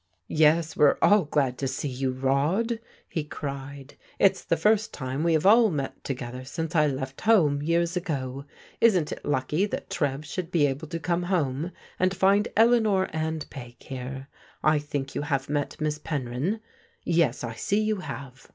" Yes, we're all glad to see you, Rod !" he cried. " It's the first time we have all met together since I left home, years ago. Isn't it lucky that Trev should be able to come home, and find Eleanor and Peg here ? I think you have met Miss Penryn? Yes, I see you have.